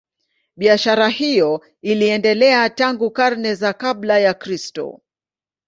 Biashara hiyo iliendelea tangu karne za kabla ya Kristo.